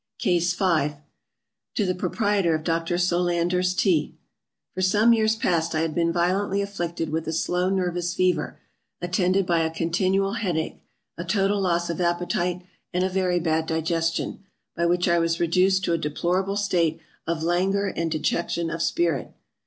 CASE V. To the Proprietor of Dr. SOLANDER'S TEA. FOR some Years past I had been violently afflicted with a slow nervous fever attended by a continual head ache, a total loss of appetite, and a very bad digestion, by which I was reduced to a deplorable state of languor and dejection of spirits.